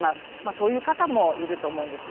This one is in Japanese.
そういう方もいると思うんですね。